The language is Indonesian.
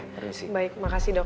terima kasih dok